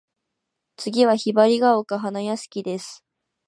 次は雲雀丘花屋敷（ひばりがおかはなやしき）です。